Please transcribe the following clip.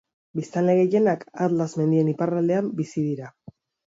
Biztanle gehienak Atlas mendien iparraldean bizi dira.